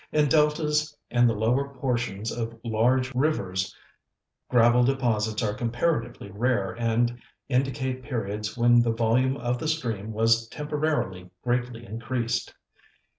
In deltas and the lower portions of large rivers gravel deposits are comparatively rare and indicate periods when the volume of the stream was temporarily greatly increased.